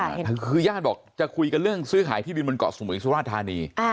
อ่าคือย่านบอกจะคุยกันเรื่องซื้อขายที่บินบนเกาะสมุริยินทรัฐฐานี